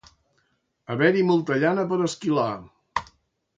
Haver-hi molta llana per esquilar.